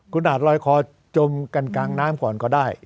คุณอาจลอยคอจมกันกลางน้ำก่อนก็ได้